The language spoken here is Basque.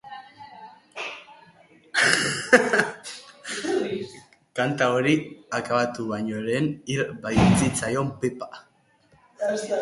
Kanta hori akabatu baino lehen hil baitzitzaion pipa.